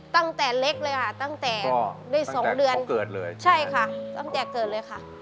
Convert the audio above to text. ตั้งแต่เล็กเลยค่ะตั้งแต่ได้สองเดือนเกิดเลยใช่ค่ะตั้งแต่เกิดเลยค่ะ